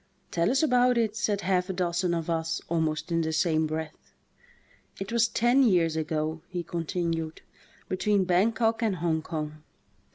"Tell us about it," said half a dozen of us almost in the same breath. "It was ten years ago," he continued, "between Bankok and Hong Kong.